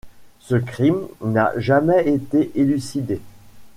Ce crime n'a jamais été élucidé.